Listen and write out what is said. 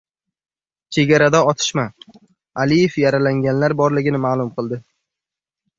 Chegarada otishma. Aliyev yaralanganlar borligini ma’lum qildi